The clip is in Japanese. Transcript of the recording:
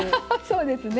そうですね。